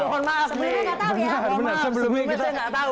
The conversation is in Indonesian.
mohon maaf nih sebelumnya saya nggak tahu